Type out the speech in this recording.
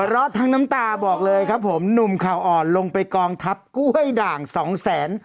เพราะทั้งน้ำตาบอกเลยครับผมหนุ่มข่าวอ่อนลงไปกองทัพกล้วยด่างสองแสน